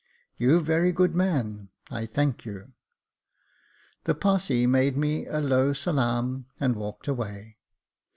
" You very good man; I thank you." The Parsee made me a low salaam, and walked away.